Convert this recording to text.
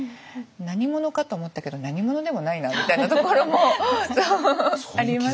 何者かと思ったけど何者でもないなみたいなところもありますし。